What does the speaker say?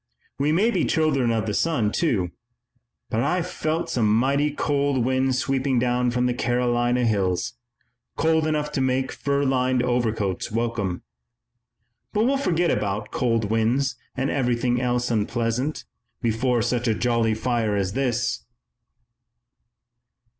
We may be children of the sun, too, but I've felt some mighty cold winds sweeping down from the Carolina hills, cold enough to make fur lined overcoats welcome. But we'll forget about cold winds and everything else unpleasant, before such a jolly fire as this."